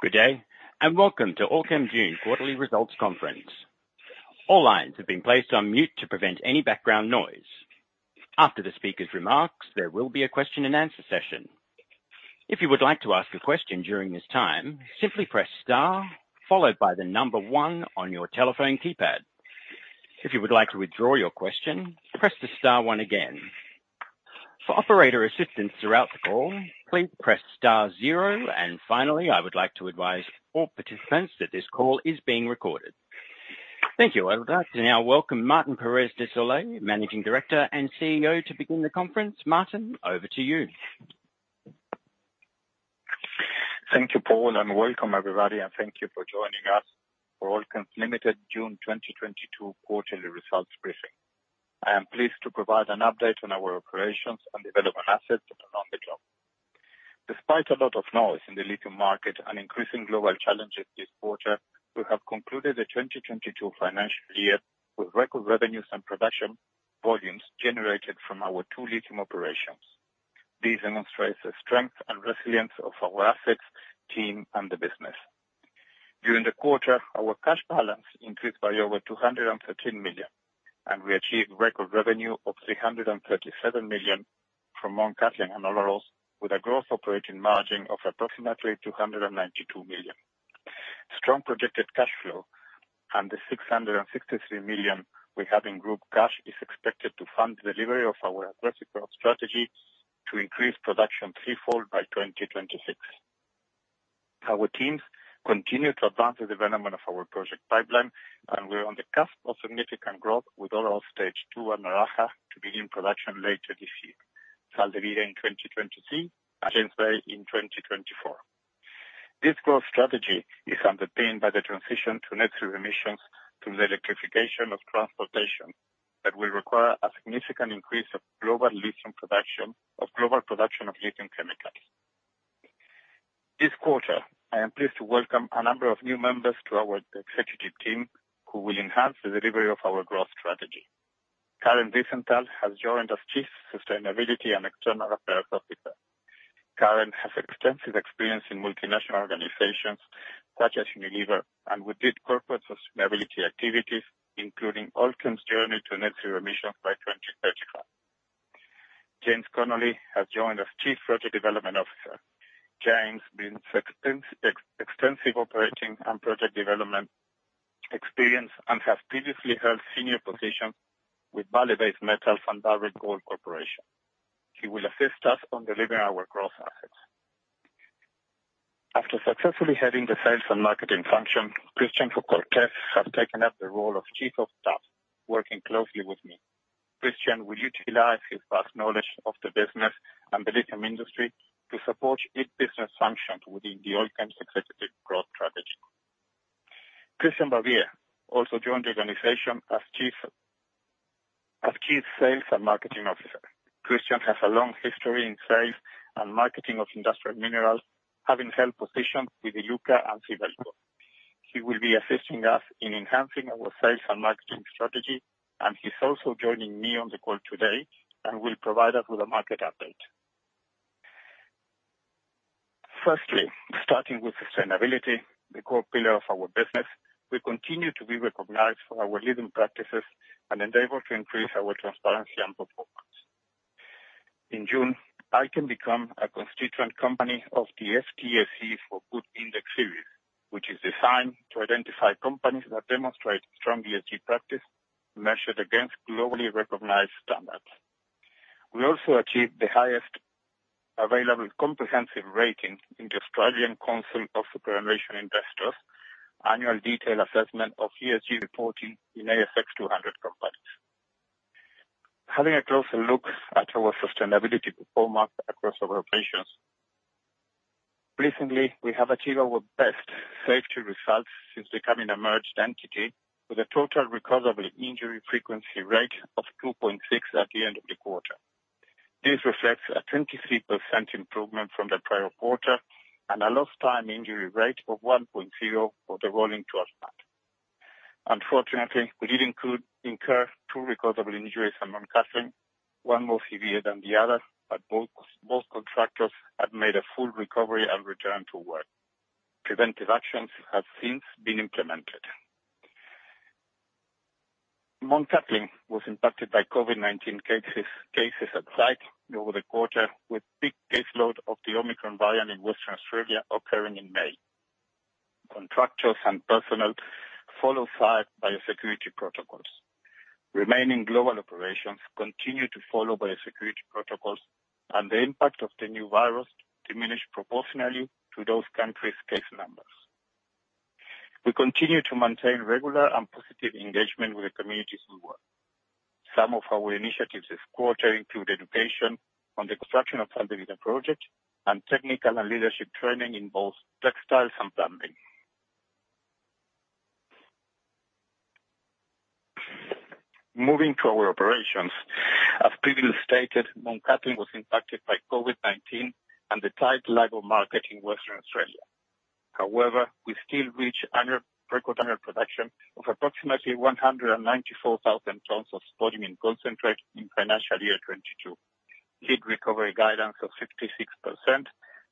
Good day, and welcome to Allkem June quarterly results conference. All lines have been placed on mute to prevent any background noise. After the speaker's remarks, there will be a question and answer session. If you would like to ask a question during this time, simply press Star followed by the number one on your telephone keypad. If you would like to withdraw your question, press the Star one again. For operator assistance throughout the call, please press Star zero, and finally, I would like to advise all participants that this call is being recorded. Thank you. With that, I now welcome Martín Pérez de Solay, Managing Director and CEO to begin the conference. Martín, over to you. Thank you, Paul, and welcome everybody and thank you for joining us for Allkem Limited June 2022 quarterly results briefing. I am pleased to provide an update on our operations and development assets overall. Despite a lot of noise in the lithium market and increasing global challenges this quarter, we have concluded the 2022 financial year with record revenues and production volumes generated from our two lithium operations. This demonstrates the strength and resilience of our assets, team and the business. During the quarter, our cash balance increased by over 213 million, and we achieved record revenue of 337 million from Mount Cattlin and Olaroz, with a gross operating margin of approximately 292 million. Strong projected cash flow and the 663 million we have in group cash is expected to fund delivery of our aggressive growth strategy to increase production threefold by 2026. Our teams continue to advance the development of our project pipeline, and we're on the cusp of significant growth with Olaroz stage two and Naraha to begin production later this year. Sal de Vida in 2023 and James Bay in 2024. This growth strategy is underpinned by the transition to net zero emissions through the electrification of transportation that will require a significant increase of global production of lithium chemicals. This quarter, I am pleased to welcome a number of new members to our executive team who will enhance the delivery of our growth strategy. Karen Vizental has joined as Chief Sustainability and External Affairs Officer. Karen has extensive experience in multinational organizations such as Unilever and within corporate sustainability activities, including Allkem's journey to net zero emissions by 2035. James Connolly has joined as Chief Project Development Officer. James brings extensive operating and project development experience and has previously held senior positions with Vale Base Metals and Barrick Gold Corporation. He will assist us on delivering our growth assets. After successfully heading the sales and marketing function, Christian Cortes has taken up the role of Chief of Staff, working closely with me. Christian will utilize his vast knowledge of the business and the lithium industry to support each business function within Allkem's executive growth strategy. Christian Barbier also joined the organization as Chief Sales and Marketing Officer. Christian has a long history in sales and marketing of industrial minerals, having held positions with Iluka and Sibelco. He will be assisting us in enhancing our sales and marketing strategy, and he's also joining me on the call today and will provide us with a market update. Firstly, starting with sustainability, the core pillar of our business, we continue to be recognized for our leading practices and endeavor to increase our transparency and performance. In June, Allkem became a constituent company of the FTSE4Good Index Series, which is designed to identify companies that demonstrate strong ESG practice measured against globally recognized standards. We also achieved the highest available comprehensive rating in the Australian Council of Superannuation Investors' annual detailed assessment of ESG reporting in ASX 200 companies. Having a closer look at our sustainability performance across our operations. Recently, we have achieved our best safety results since becoming a merged entity with a total recordable injury frequency rate of 2.6 at the end of the quarter. This reflects a 23% improvement from the prior quarter and a lost time injury rate of 1.0 for the rolling 12 months. Unfortunately, we incurred two recordable injuries on Mount Cattlin, one more severe than the other, but both contractors have made a full recovery and returned to work. Preventive actions have since been implemented. Mount Cattlin was impacted by COVID-19 cases on site over the quarter, with peak caseload of the Omicron variant in Western Australia occurring in May. Contractors and personnel followed site biosecurity protocols. Remaining global operations continue to follow biosecurity protocols and the impact of the new virus diminished proportionally to those countries' case numbers. We continue to maintain regular and positive engagement with the communities we work. Some of our initiatives this quarter include education on the construction of Sal de Vida project and technical and leadership training in both textiles and plumbing. Moving to our operations. As previously stated, Mount Cattlin was impacted by COVID-19 and the tight labor market in Western Australia. However, we still reach record annual production of approximately 194,000 tons of spodumene concentrate in financial year 2022. Li recovery guidance of 56%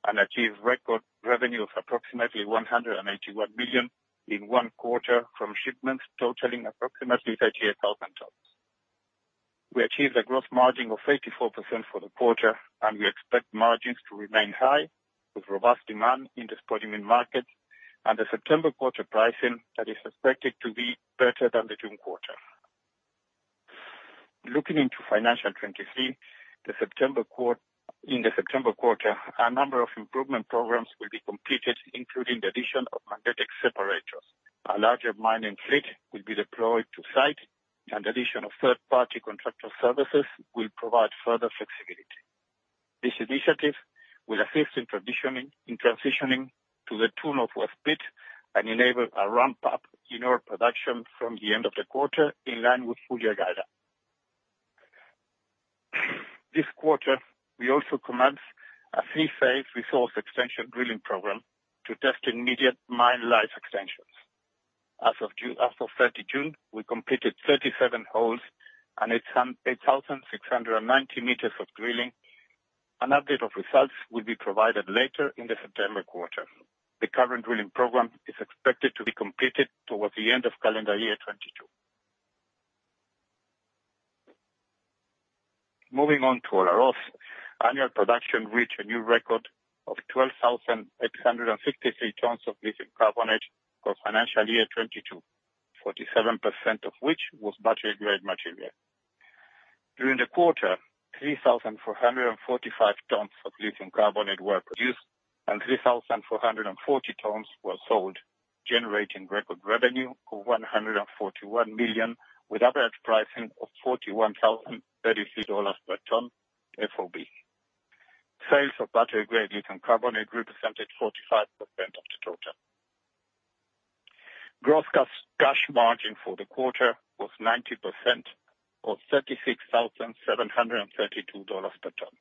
and achieve record revenue of approximately 181 million in one quarter from shipments totaling approximately 38,000 tons. We achieved a gross margin of 84% for the quarter, and we expect margins to remain high with robust demand in the spodumene market and the September quarter pricing that is expected to be better than the June quarter. Looking into financial 2023, the September quarter, a number of improvement programs will be completed, including the addition of magnetic separators. A larger mining fleet will be deployed to site, and addition of third-party contractor services will provide further flexibility. This initiative will assist in transitioning to the 2 Northwest Pit and enable a ramp-up in ore production from the end of the quarter in line with full-year guidance. This quarter, we also commenced a three-phase resource extension drilling program to test immediate mine life extensions. As of 30 June, we completed 37 holes and 8,690 meters of drilling. An update of results will be provided later in the September quarter. The current drilling program is expected to be completed towards the end of calendar year 2022. Moving on to Olaroz. Annual production reached a new record of 12,863 tons of lithium carbonate for financial year 2022, 47% of which was battery-grade material. During the quarter, 3,445 tons of lithium carbonate were produced and 3,440 tons were sold, generating record revenue of $141 million with average pricing of $41,033 per ton FOB. Sales of battery-grade lithium carbonate represented 45% of the total. Gross cash margin for the quarter was 90% of $36,732 per ton.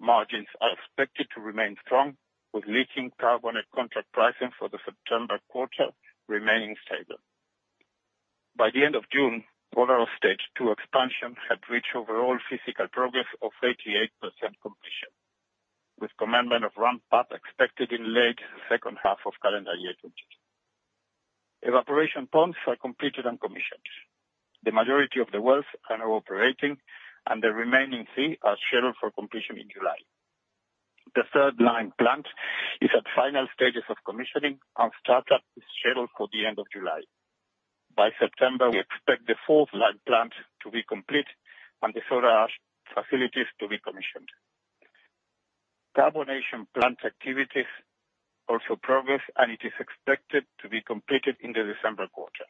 Margins are expected to remain strong with lithium carbonate contract pricing for the September quarter remaining stable. By the end of June, Olaroz stage 2 expansion had reached overall physical progress of 88% completion, with commencement of ramp-up expected in late second half of calendar year 2022. Evaporation ponds are completed and commissioned. The majority of the wells are now operating and the remaining three are scheduled for completion in July. The third line plant is at final stages of commissioning and startup is scheduled for the end of July. By September, we expect the fourth line plant to be complete and the solar ash facilities to be commissioned. Carbonation plant activities also progress, and it is expected to be completed in the December quarter.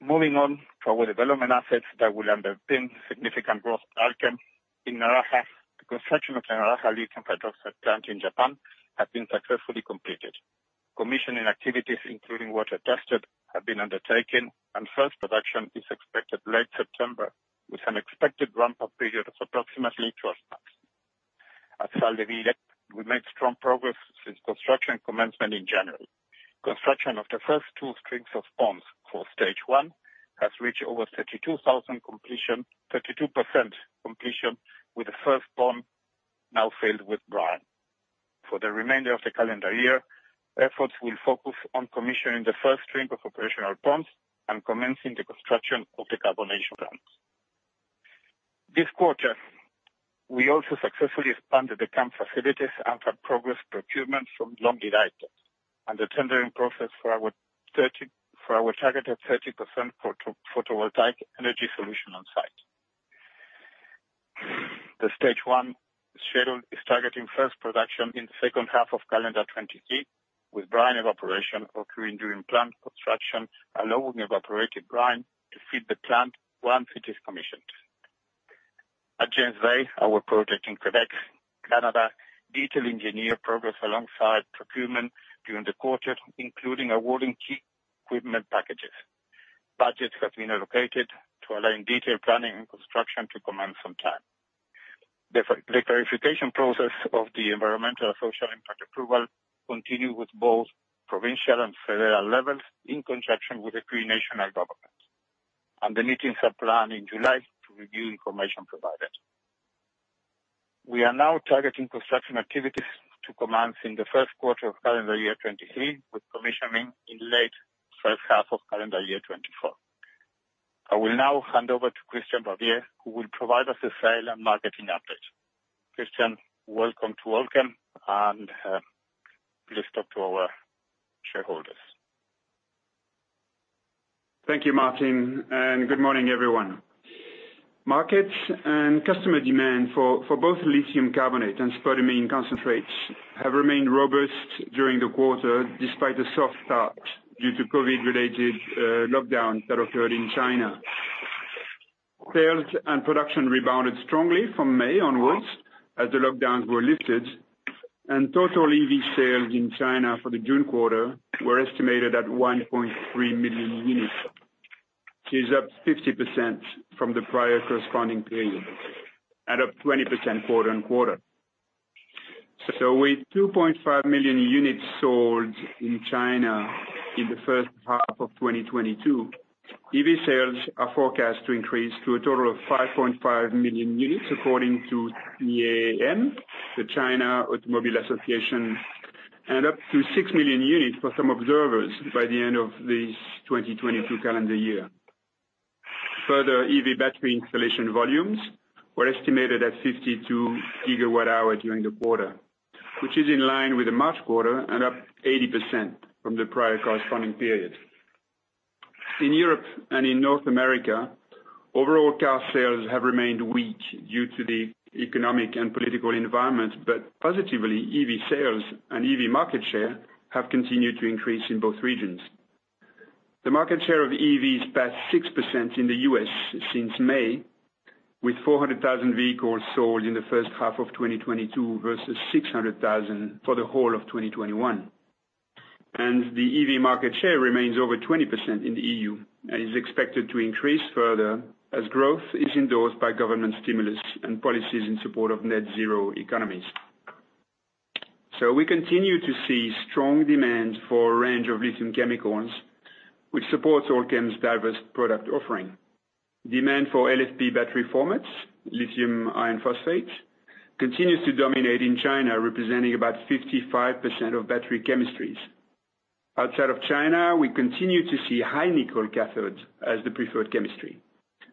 Moving on to our development assets that will underpin significant growth. Allkem in Naraha, the construction of the Naraha lithium hydroxide plant in Japan has been successfully completed. Commissioning activities including water tested have been undertaken and first production is expected late September, with an expected ramp-up period of approximately 12 months. At Sal de Vida, we made strong progress since construction commencement in January. Construction of the first two strings of ponds for stage 1 has reached over 32% completion, with the first pond now filled with brine. For the remainder of the calendar year, efforts will focus on commissioning the first string of operational ponds and commencing the construction of the carbonation plants. This quarter, we also successfully expanded the camp facilities and have progressed procurement from long-lead items and the tendering process for our targeted 30% photovoltaic energy solution on site. The stage 1 schedule is targeting first production in second half of calendar 2023, with brine evaporation occurring during plant construction, allowing evaporated brine to feed the plant once it is commissioned. At James Bay, our project in Quebec, Canada, detailed engineering progress alongside procurement during the quarter, including awarding key equipment packages. Budgets have been allocated to allow detailed planning and construction to commence on time. The clarification process of the environmental and social impact approval continues with both provincial and federal levels in conjunction with the Cree Nation Government, and the meetings are planned in July to review information provided. We are now targeting construction activities to commence in the first quarter of calendar year 2023, with commissioning in late first half of calendar year 2024. I will now hand over to Christian Barbier, who will provide us a sales and marketing update. Christian, welcome to Allkem and please talk to our shareholders. Thank you, Martín, and good morning, everyone. Markets and customer demand for both lithium carbonate and spodumene concentrates have remained robust during the quarter, despite a soft start due to COVID-related lockdown that occurred in China. Sales and production rebounded strongly from May onwards as the lockdowns were lifted, and total EV sales in China for the June quarter were estimated at 1.3 million units, is up 50% from the prior corresponding period, and up 20% quarter-on-quarter. With 2.5 million units sold in China in the first half of 2022, EV sales are forecast to increase to a total of 5.5 million units, according to CAAM, the China Automobile Association, and up to 6 million units for some observers by the end of this 2022 calendar year. Further EV battery installation volumes were estimated at 52 GWh during the quarter, which is in line with the March quarter and up 80% from the prior corresponding period. In Europe and in North America, overall car sales have remained weak due to the economic and political environment, but positively, EV sales and EV market share have continued to increase in both regions. The market share of EVs passed 6% in the U.S. since May, with 400,000 vehicles sold in the first half of 2022 versus 600,000 for the whole of 2021. The EV market share remains over 20% in the EU and is expected to increase further as growth is endorsed by government stimulus and policies in support of net zero economies. We continue to see strong demand for a range of lithium chemicals, which supports Allkem's diverse product offering. Demand for LFP battery formats, lithium-ion phosphate, continues to dominate in China, representing about 55% of battery chemistries. Outside of China, we continue to see high-nickel cathodes as the preferred chemistry,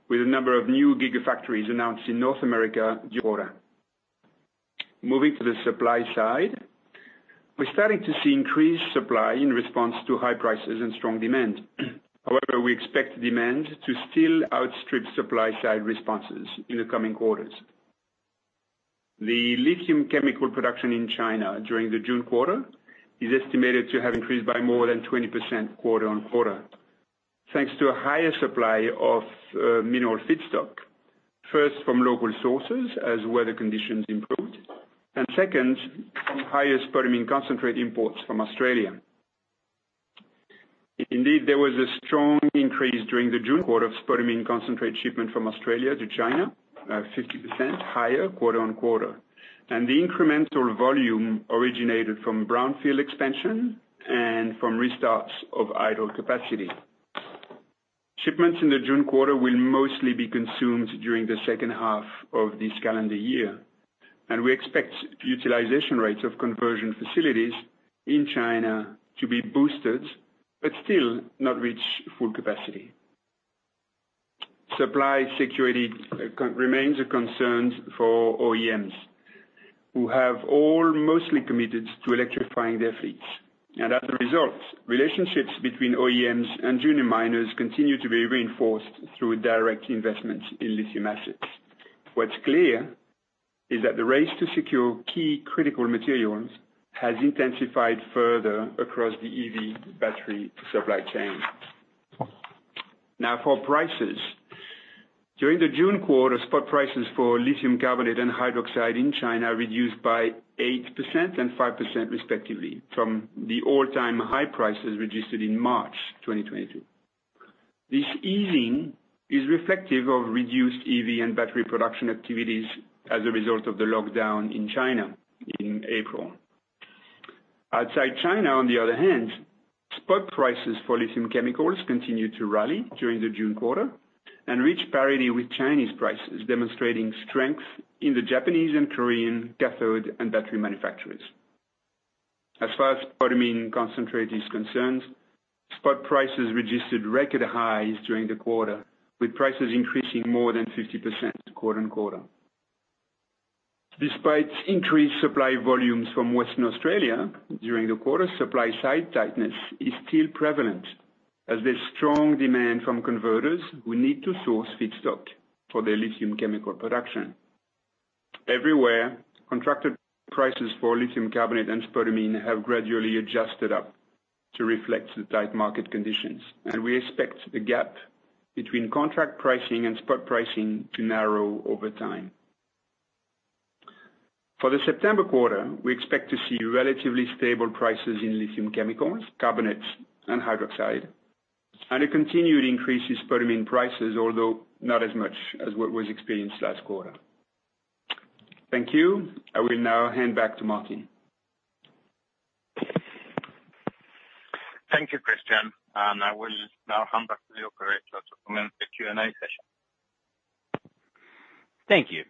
with a number of new gigafactories announced in North America year over. Moving to the supply side, we're starting to see increased supply in response to high prices and strong demand. However, we expect demand to still outstrip supply side responses in the coming quarters. The lithium chemical production in China during the June quarter is estimated to have increased by more than 20% quarter-on-quarter, thanks to a higher supply of mineral feedstock, first from local sources as weather conditions improved, and second, from higher spodumene concentrate imports from Australia. Indeed, there was a strong increase during the June quarter of spodumene concentrate shipment from Australia to China, 50% higher quarter-on-quarter. The incremental volume originated from brownfield expansion and from restarts of idle capacity. Shipments in the June quarter will mostly be consumed during the second half of this calendar year, and we expect utilization rates of conversion facilities in China to be boosted but still not reach full capacity. Supply security remains a concern for OEMs who have all mostly committed to electrifying their fleets. As a result, relationships between OEMs and junior miners continue to be reinforced through direct investments in lithium assets. What's clear is that the race to secure key critical materials has intensified further across the EV battery supply chain. Now, for prices, during the June quarter, spot prices for lithium carbonate and hydroxide in China reduced by 8% and 5% respectively from the all-time high prices registered in March 2022. This easing is reflective of reduced EV and battery production activities as a result of the lockdown in China in April. Outside China, on the other hand, spot prices for lithium chemicals continued to rally during the June quarter and reached parity with Chinese prices, demonstrating strength in the Japanese and Korean cathode and battery manufacturers. As far as spodumene concentrate is concerned, spot prices registered record highs during the quarter, with prices increasing more than 50% quarter-on-quarter. Despite increased supply volumes from Western Australia during the quarter, supply-side tightness is still prevalent as there's strong demand from converters who need to source feedstock for their lithium chemical production. Everywhere, contracted prices for lithium carbonate and spodumene have gradually adjusted up to reflect the tight market conditions, and we expect the gap between contract pricing and spot pricing to narrow over time. For the September quarter, we expect to see relatively stable prices in lithium chemicals, carbonates, and hydroxide, and a continued increase in spodumene prices, although not as much as what was experienced last quarter. Thank you. I will now hand back to Martín. Thank you, Christian. I will now hand back to the operator to commence the Q&A session. Thank you.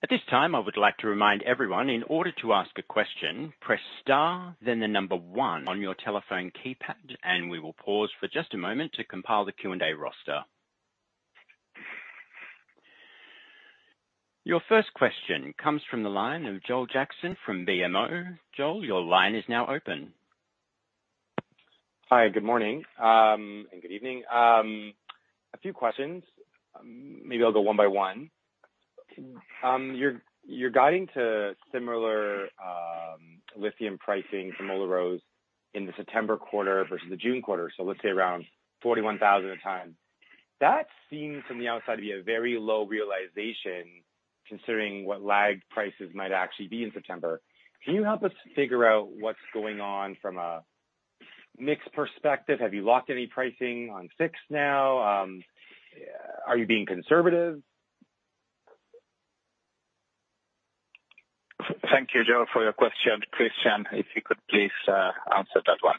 At this time, I would like to remind everyone, in order to ask a question, press Star then the number one on your telephone keypad, and we will pause for just a moment to compile the Q&A roster. Your first question comes from the line of Joel Jackson from BMO. Joel, your line is now open. Hi, good morning, and good evening. A few questions. Maybe I'll go one by one. You're guiding to similar lithium pricing for Olaroz in the September quarter versus the June quarter, so let's say around $41,000 a ton. That seems from the outside to be a very low realization. Considering what lagged prices might actually be in September, can you help us figure out what's going on from a mix perspective? Have you locked any pricing on fixed now? Are you being conservative? Thank you, Joel, for your question. Christian, if you could please, answer that one.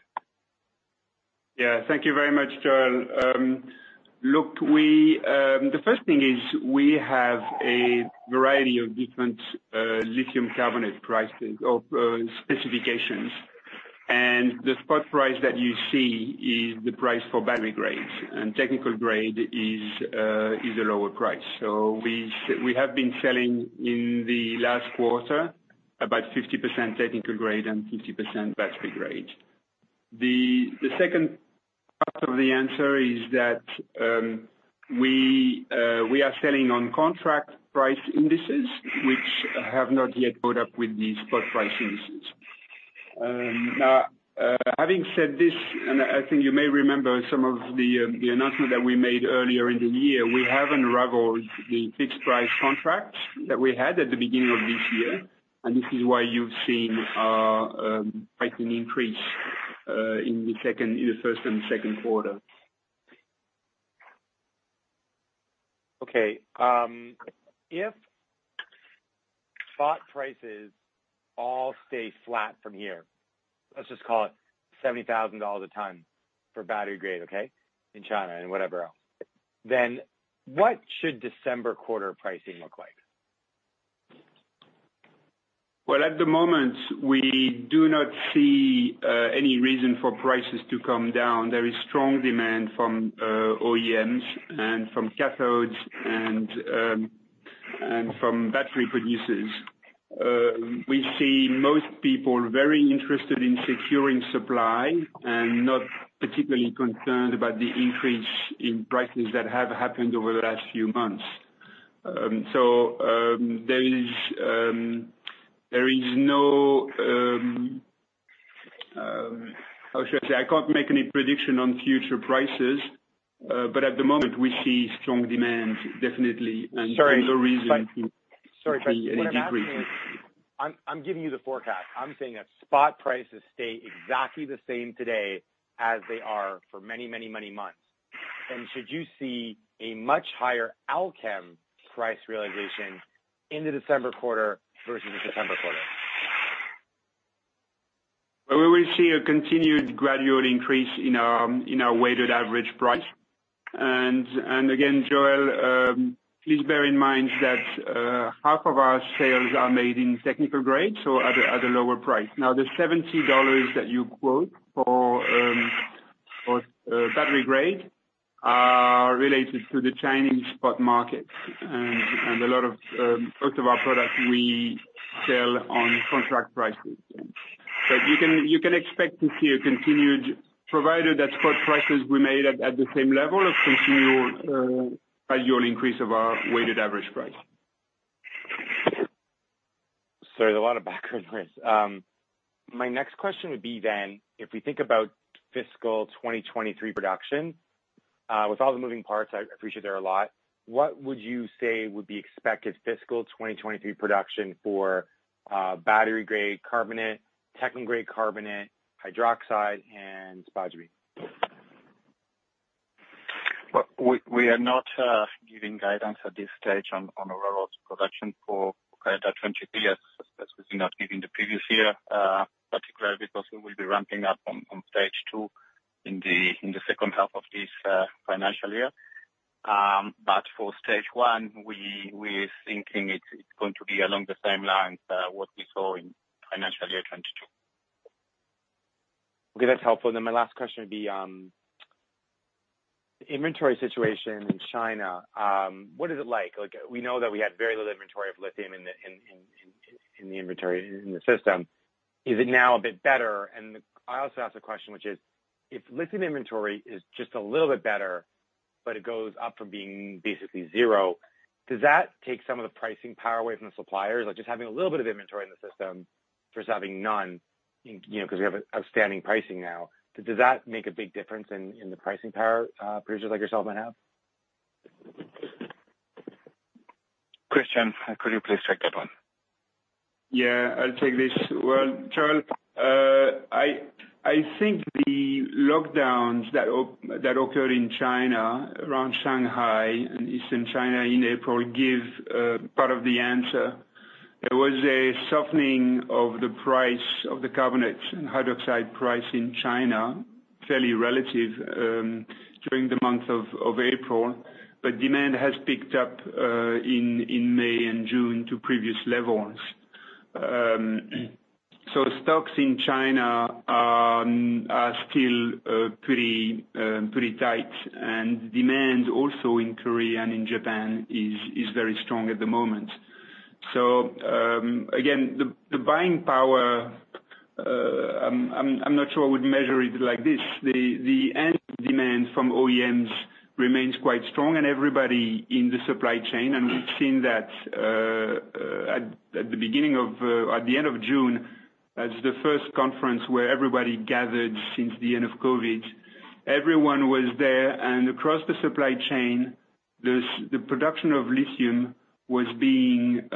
Yeah. Thank you very much, Joel. The first thing is we have a variety of different lithium carbonate pricing of specifications. The spot price that you see is the price for battery grades, and technical grade is a lower price. We have been selling in the last quarter about 50% technical grade and 50% battery grade. The second part of the answer is that we are selling on contract price indices, which have not yet caught up with these spot price indices. Now, having said this, I think you may remember some of the announcement that we made earlier in the year. We haven't revealed the fixed price contract that we had at the beginning of this year, and this is why you've seen pricing increase in the first and the second quarter. If spot prices all stay flat from here, let's just call it $70,000 a ton for battery grade, okay? In China and whatever else, then what should December quarter pricing look like? Well, at the moment, we do not see any reason for prices to come down. There is strong demand from OEMs and from cathodes and from battery producers. We see most people very interested in securing supply and not particularly concerned about the increase in prices that have happened over the last few months. I can't make any prediction on future prices, but at the moment we see strong demand definitely. Sorry. No reason in- Sorry. ..any decrease. What I'm asking is, I'm giving you the forecast. I'm saying that spot prices stay exactly the same today as they are for many, many, many months. Should you see a much higher outcome price realization in the December quarter versus the September quarter? We will see a continued gradual increase in our weighted average price. Again, Joel, please bear in mind that half of our sales are made in technical grade, so at a lower price. Now the $70 that you quote for battery grade are related to the Chinese spot market. Most of our products we sell on contract prices. You can expect to see a continued, provided that spot prices remain at the same level, a continual annual increase of our weighted average price. Sorry, there's a lot of background noise. My next question would be, if we think about fiscal 2023 production, with all the moving parts, I appreciate there are a lot, what would you say would be expected fiscal 2023 production for battery-grade carbonate, technical grade carbonate, hydroxide, and spodumene? We are not giving guidance at this stage on our overall production for calendar 2023, as we did not give in the previous year, particularly because we will be ramping up on stage 2 in the second half of this financial year. For stage 1, we're thinking it's going to be along the same lines what we saw in financial year 2022. Okay, that's helpful. My last question would be the inventory situation in China, what is it like? Like, we know that we had very little inventory of lithium in the inventory in the system. Is it now a bit better? I also ask the question which is, if lithium inventory is just a little bit better, but it goes up from being basically zero, does that take some of the pricing power away from the suppliers? Like just having a little bit of inventory in the system versus having none in, you know, 'cause we have outstanding pricing now. Does that make a big difference in the pricing power producers like yourself might have? Christian, could you please take that one? Yeah, I'll take this. Well, Joel, I think the lockdowns that occurred in China around Shanghai and Eastern China in April give part of the answer. There was a softening of the price of the carbonate and hydroxide price in China, fairly relative, during the month of April, but demand has picked up in May and June to previous levels. Stocks in China are still pretty tight. Demand also in Korea and in Japan is very strong at the moment. Again, the buying power, I'm not sure I would measure it like this. The end demand from OEMs remains quite strong and everybody in the supply chain, and we've seen that at the end of June. That's the first conference where everybody gathered since the end of COVID. Everyone was there, and across the supply chain, the production of lithium was being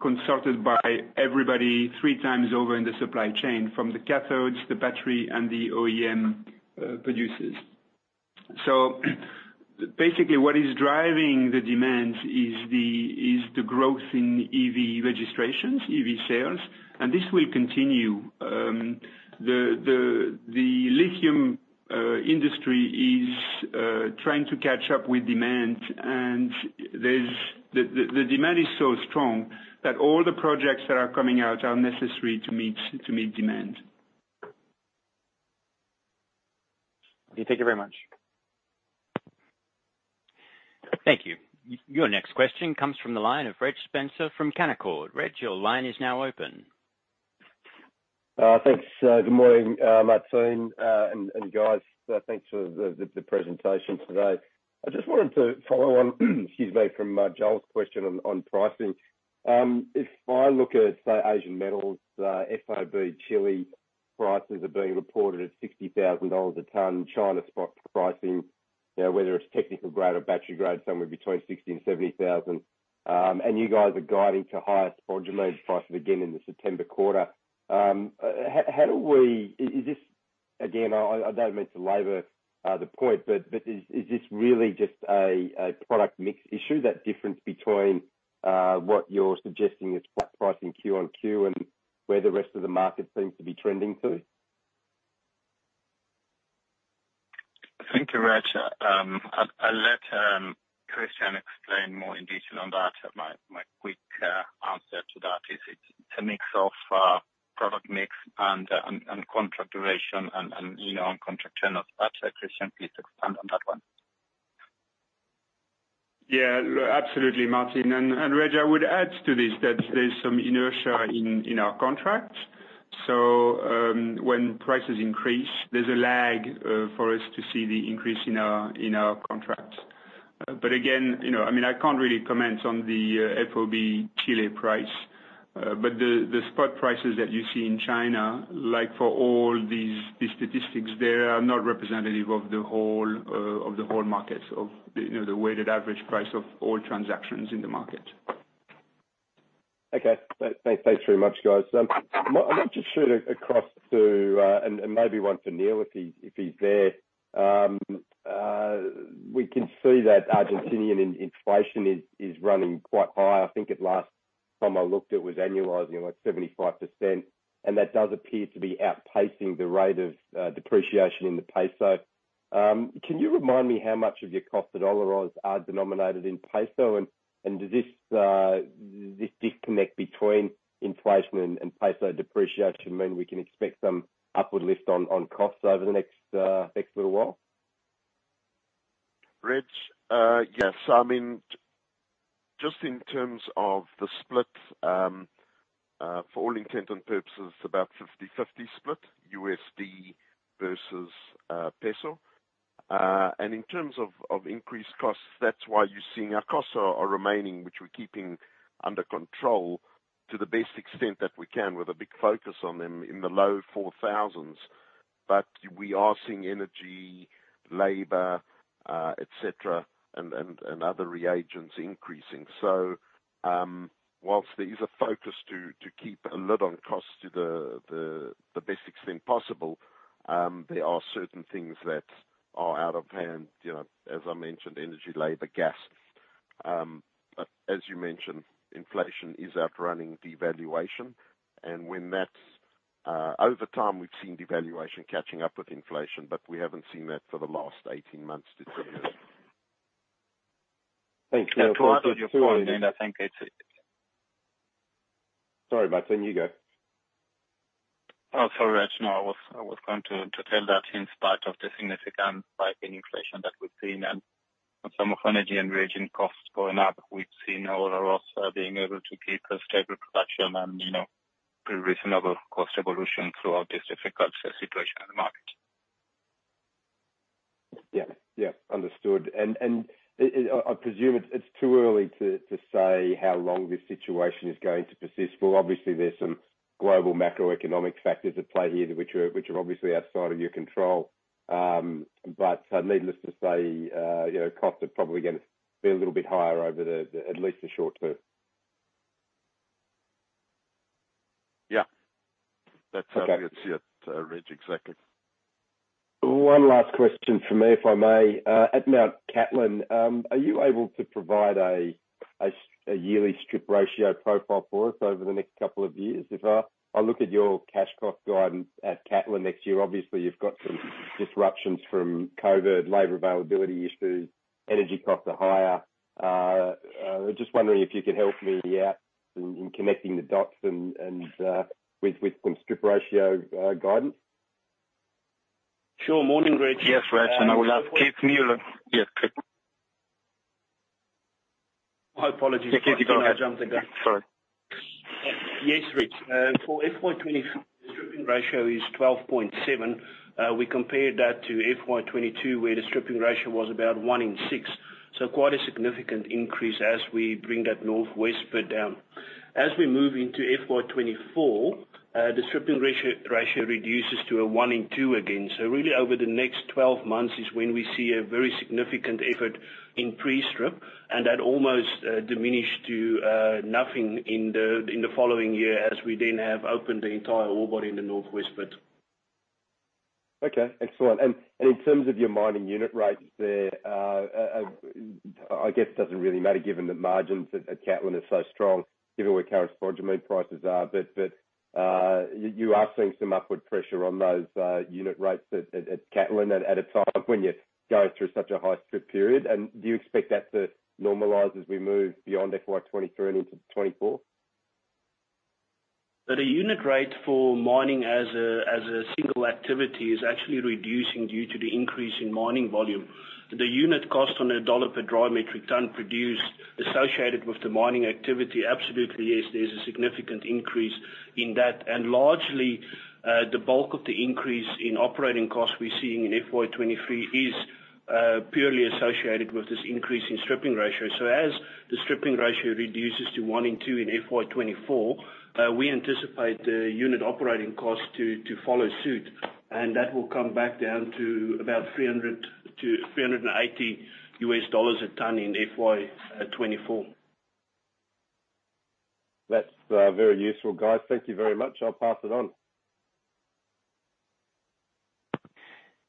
consulted by everybody 3x over in the supply chain, from the cathodes, the battery, and the OEM producers. Basically, what is driving the demand is the growth in EV registrations, EV sales, and this will continue. The lithium industry is trying to catch up with demand. The demand is so strong that all the projects that are coming out are necessary to meet demand. Thank you very much. Thank you. Your next question comes from the line of Reg Spencer from Canaccord Genuity. Reg, your line is now open. Thanks. Good morning, Martín, and guys. Thanks for the presentation today. I just wanted to follow on, excuse me, from Joel's question on pricing. If I look at, say, Asian Metal, FOB Chile prices are being reported at $60,000 a ton. China spot pricing, you know, whether it's technical grade or battery grade, somewhere between $60,000-$70,000. You guys are guiding to highest realized prices again in the September quarter. Is this, again, I don't mean to labor the point, but is this really just a product mix issue, that difference between what you're suggesting is flat pricing Q-on-Q and where the rest of the market seems to be trending to? Thank you, Reg. I'll let Christian explain more in detail on that. My quick answer to that is it's a mix of product mix and contract duration and, you know, on contract terms of battery. Christian, please expand on that one. Yeah. Absolutely, Martín. Reg, I would add to this that there's some inertia in our contract. When prices increase, there's a lag for us to see the increase in our contracts. Again, you know, I mean, I can't really comment on the FOB Chile price. The spot prices that you see in China, like for all these statistics, they are not representative of the whole of the whole market, of, you know, the weighted average price of all transactions in the market. Thanks very much, guys. I might just shoot across to maybe one for Neil, if he's there. We can see that Argentine inflation is running quite high. I think the last time I looked, it was annualizing, like, 75%, and that does appear to be outpacing the rate of depreciation in the peso. Can you remind me how much of your cost to dollarize are denominated in peso? Does this disconnect between inflation and peso depreciation mean we can expect some upward lift on costs over the next little while? Reg, yes. I mean, just in terms of the split, for all intents and purposes, about 50/50 split, U.S. dollar versus peso. In terms of increased costs, that's why you're seeing our costs are remaining, which we're keeping under control to the best extent that we can, with a big focus on them in the low $4,000s. We are seeing energy, labor, et cetera, and other reagents increasing. While there is a focus to keep a lid on cost to the best extent possible, there are certain things that are out of hand, you know, as I mentioned, energy, labor, gas. As you mentioned, inflation is outrunning devaluation. When that's... Over time, we've seen devaluation catching up with inflation, but we haven't seen that for the last 18 months to two years. Thanks, Neil. To add on your point, and I think it's. Sorry, Martín. You go. Oh, sorry, Reg. No, I was going to tell that in spite of the significant spike in inflation that we've seen and some of energy and reagent costs going up, we've seen all our costs being able to keep a stable production and, you know, pretty reasonable cost evolution throughout this difficult situation in the market. Yeah. Yeah. Understood. I presume it's too early to say how long this situation is going to persist. Well, obviously there's some global macroeconomic factors at play here, which are obviously outside of your control. Needless to say, you know, costs are probably gonna be a little bit higher over at least the short term. Yeah. That's how we see it. Okay Reg, exactly. One last question from me, if I may. At Mount Cattlin, are you able to provide a yearly strip ratio profile for us over the next couple of years? If I look at your cash cost guidance at Cattlin next year, obviously you've got some disruptions from COVID, labor availability issues, energy costs are higher. Just wondering if you could help me out in connecting the dots and with some strip ratio guidance. Sure. Morning, Reg. Yes, Reg. I will ask Keith Muller. Yes, Keith. My apologies. Yeah, Keith, you go ahead. I jumped the gun. Sorry. Yes, Reg. For FY 2023, stripping ratio is 12.7. We compared that to FY 2022, where the stripping ratio was about 1 in 6. Quite a significant increase as we bring that Northwest Pit down. As we move into FY 2024, the stripping ratio reduces to a 1 in 2 again. Really over the next 12 months is when we see a very significant effort in pre-strip, and that almost diminished to nothing in the following year as we then have opened the entire ore body in the Northwest Pit. Okay. Excellent. In terms of your mining unit rates there, I guess it doesn't really matter given the margins at Cattlin are so strong, given where current spodumene prices are. You are seeing some upward pressure on those unit rates at Cattlin at a time when you're going through such a high strip period, and do you expect that to normalize as we move beyond FY 2023 and into 2024? The unit rate for mining as a single activity is actually reducing due to the increase in mining volume. The unit cost on a dollar per dry metric ton produced associated with the mining activity, absolutely yes, there's a significant increase in that. Largely, the bulk of the increase in operating costs we're seeing in FY 2023 is purely associated with this increase in stripping ratio. As the stripping ratio reduces to one in two in FY 2024, we anticipate the unit operating cost to follow suit, and that will come back down to about $300-$380 a ton in FY 2024. That's very useful, guys. Thank you very much. I'll pass it on.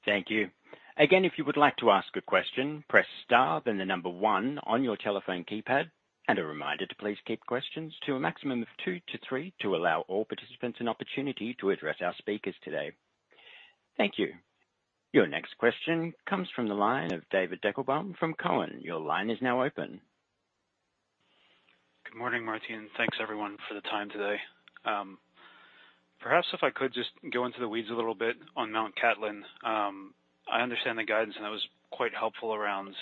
Thank you. Again, if you would like to ask a question, press Star, then the number one on your telephone keypad. A reminder to please keep questions to a maximum of two to three to allow all participants an opportunity to address our speakers today. Thank you. Your next question comes from the line of David Deckelbaum from Cowen. Your line is now open. Good morning, Martín. Thanks, everyone, for the time today. Perhaps if I could just go into the weeds a little bit on Mount Cattlin. I understand the guidance, and that was quite helpful around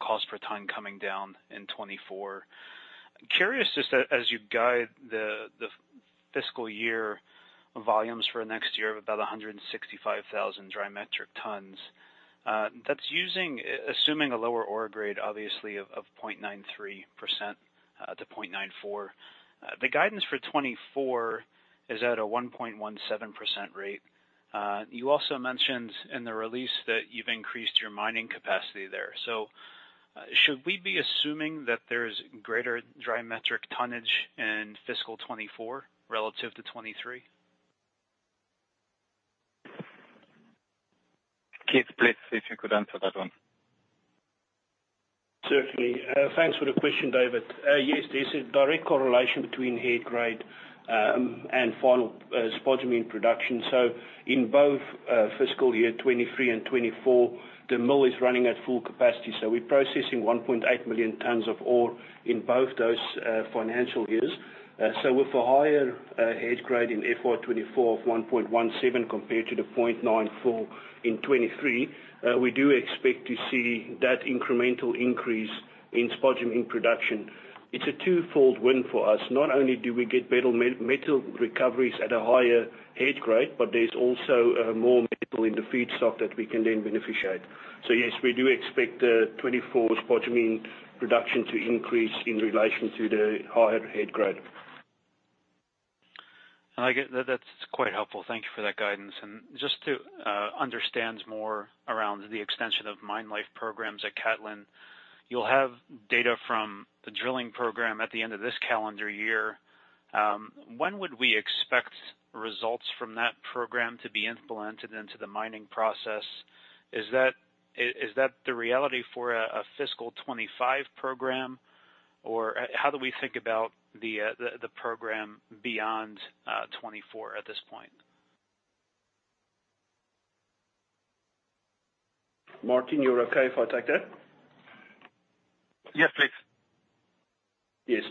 cost per ton coming down in 2024. Curious just as you guide the fiscal year volumes for next year of about 165,000 dry metric tons, that's assuming a lower ore grade obviously of 0.93%-0.94%. The guidance for 2024 is at a 1.17% rate. You also mentioned in the release that you've increased your mining capacity there. Should we be assuming that there's greater dry metric tonnage in fiscal 2024 relative to 2023? Keith, please, if you could answer that one. Certainly. Thanks for the question, David. Yes, there's a direct correlation between head grade and final spodumene production. In both fiscal year 2023 and 2024, the mill is running at full capacity, so we're processing 1.8 million tons of ore in both those financial years. With a higher head grade in FY 2024 of 1.17 compared to the 0.94 in 2023, we do expect to see that incremental increase in spodumene production. It's a twofold win for us. Not only do we get better metal recoveries at a higher head grade, but there's also more metal in the feedstock that we can then beneficiate. Yes, we do expect the 2024 spodumene production to increase in relation to the higher head grade. I get. That's quite helpful. Thank you for that guidance. Just to understand more around the extension of mine-life programs at Cattlin, you'll have data from the drilling program at the end of this calendar year. When would we expect results from that program to be implemented into the mining process? Is that the reality for a fiscal 2025 program? Or how do we think about the program beyond 2024 at this point? Martín, you're okay if I take that? Yes, please. Yes.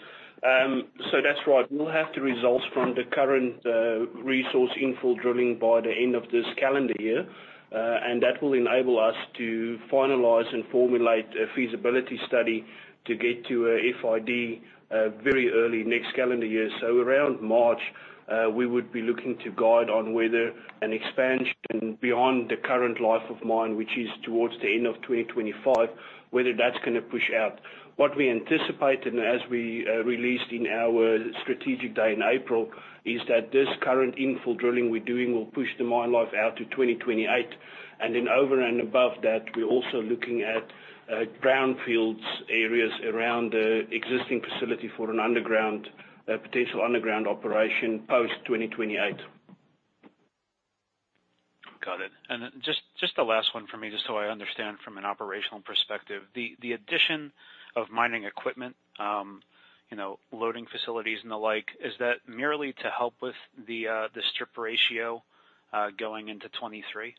That's right. We'll have the results from the current resource infill drilling by the end of this calendar year. That will enable us to finalize and formulate a feasibility study to get to a FID very early next calendar year. Around March, we would be looking to guide on whether an expansion beyond the current life of mine, which is towards the end of 2025, whether that's gonna push out. What we anticipate, and as we released in our strategy day in April, is that this current infill drilling we're doing will push the mine life out to 2028. Then over and above that, we're also looking at brownfields areas around the existing facility for a potential underground operation post 2028. Got it. Then just the last one for me, just so I understand from an operational perspective. The addition of mining equipment, you know, loading facilities and the like, is that merely to help with the strip ratio going into 2023?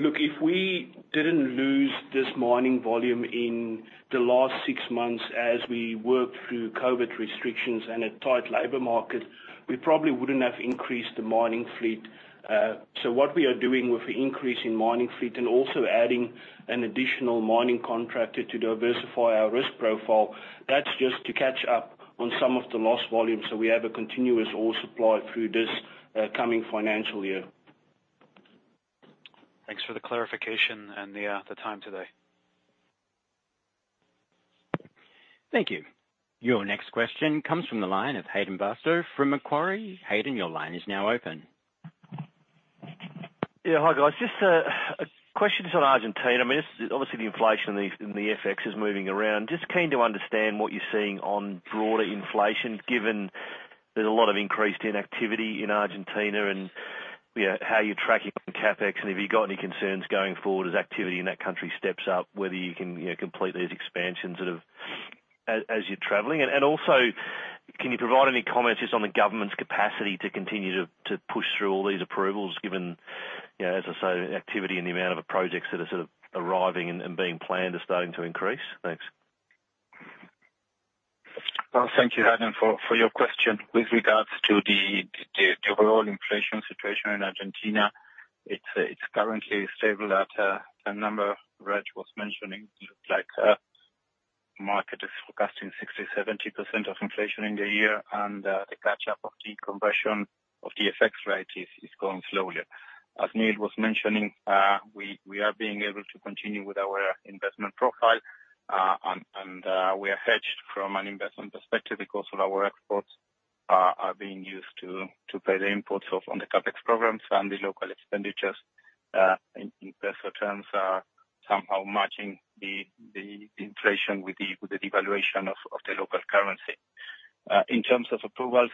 Look, if we didn't lose this mining volume in the last six months as we worked through COVID restrictions and a tight labor market, we probably wouldn't have increased the mining fleet. What we are doing with the increase in mining fleet and also adding an additional mining contractor to diversify our risk profile, that's just to catch up on some of the lost volume, so we have a continuous ore supply through this coming financial year. Thanks for the clarification and the time today. Thank you. Your next question comes from the line of Hayden Bairstow from Macquarie. Hayden, your line is now open. Yeah. Hi, guys. Just a question on Argentina. I mean, it's obviously the inflation and the FX is moving around. Just keen to understand what you're seeing on broader inflation, given there's a lot of increased activity in Argentina, and, you know, how you're tracking the CapEx, and have you got any concerns going forward as activity in that country steps up, whether you can, you know, complete these expansions sort of as you're traveling. Also, can you provide any comments just on the government's capacity to continue to push through all these approvals given, you know, as I say, activity and the amount of projects that are sort of arriving and being planned are starting to increase? Thanks. Well, thank you, Hayden, for your question. With regards to the overall inflation situation in Argentina, it's currently stable at a number Reg was mentioning. It looked like market is forecasting 60%-70% inflation in the year, and the catch-up of the conversion of the FX rate is going slowly. As Neil was mentioning, we are being able to continue with our investment profile, and we are hedged from an investment perspective because our exports are being used to pay the imports of on the CapEx programs and the local expenditures, in peso terms are somehow matching the inflation with the devaluation of the local currency. In terms of approvals,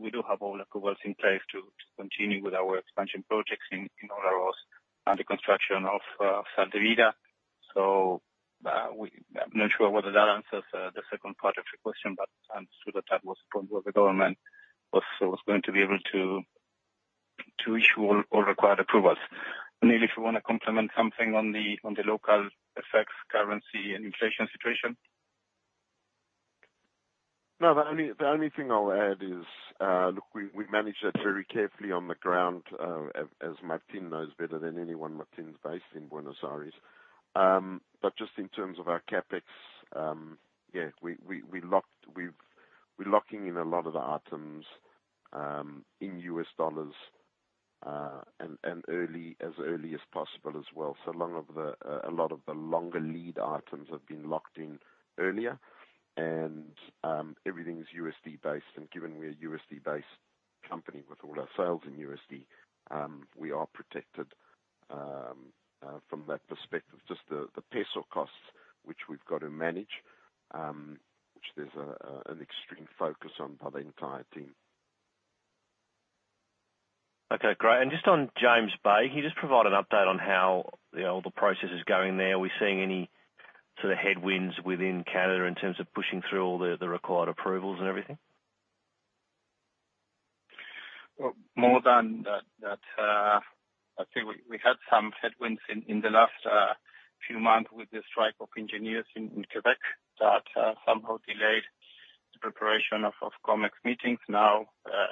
we do have all approvals in place to continue with our expansion projects in Olaroz and the construction of Sal de Vida. I'm not sure whether that answers the second part of your question, but I'm sure that was the point where the government was going to be able to issue all required approvals. Neil, if you wanna comment on the local FX currency and inflation situation. No, the only thing I'll add is, look, we manage that very carefully on the ground, as Martín knows better than anyone. Martín's based in Buenos Aires. Just in terms of our CapEx, yeah, we're locking in a lot of the items in US dollars, and as early as possible as well. A lot of the longer lead items have been locked in earlier, and everything's USD-based. Given we're a USD-based company with all our sales in USD, we are protected from that perspective. Just the peso costs, which we've got to manage, which there's an extreme focus on by the entire team. Okay, great. Just on James Bay, can you just provide an update on how, you know, the process is going there. Are we seeing any sort of headwinds within Canada in terms of pushing through all the required approvals and everything? Well, more than that, I'd say we had some headwinds in the last few months with the strike of engineers in Quebec that somehow delayed the preparation of COMEX meetings. Now,